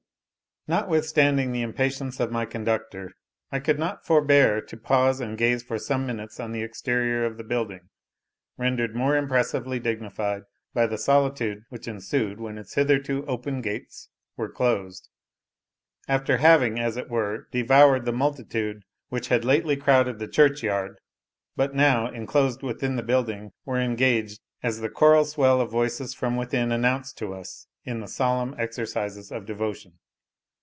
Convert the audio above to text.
Notwithstanding the impatience of my conductor, I could not forbear to pause and gaze for some minutes on the exterior of the building, rendered more impressively dignified by the solitude which ensued when its hitherto open gates were closed, after having, as it were, devoured the multitude which had lately crowded the churchyard, but now, enclosed within the building, were engaged, as the choral swell of voices from within announced to us, in the solemn exercises of devotion.